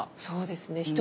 そうですね。